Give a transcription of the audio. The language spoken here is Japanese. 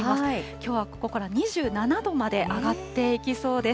きょうはここから２７度まで上がっていきそうです。